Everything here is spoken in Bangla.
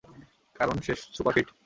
কারণ সে সুপার ফিট।